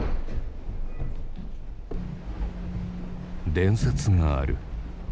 伝説がある。